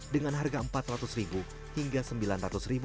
dengan harga rp empat ratus hingga rp sembilan ratus